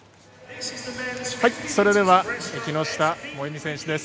それでは木下萌実選手です。